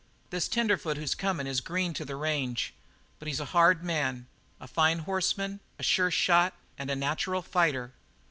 "This tenderfoot who's coming is green to the range, but he's a hard man; a fine horseman, a sure shot, and a natural fighter.